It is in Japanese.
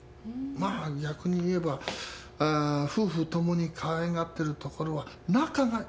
まあ逆に言えばあー夫婦ともにかわいがってるところは仲がいい場合が多い。